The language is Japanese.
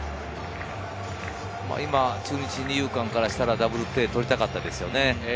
今、中日、二遊間からしたらダブルプレーを取りたかったですね。